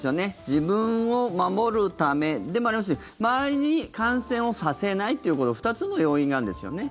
自分を守るためでもありますし周りに感染をさせないという２つの要因があるんですよね。